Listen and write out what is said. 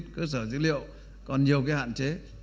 cơ sở dữ liệu còn nhiều cái hạn chế